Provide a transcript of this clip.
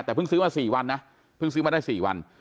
แต่เพิ่งซื้อมา๔วันนะเพิ่งซื้อมาได้๔วัน